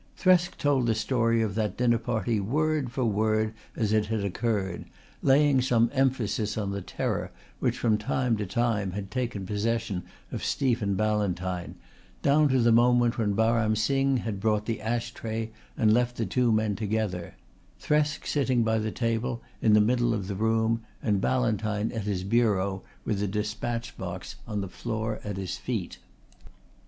Thresk told the story of that dinner party word for word as it had occurred, laying some emphasis on the terror which from time to time had taken possession of Stephen Ballantyne, down to the moment when Baram Singh had brought the ash tray and left the two men together, Thresk sitting by the table in the middle of the room and Ballantyne at his bureau with the despatch box on the floor at his feet.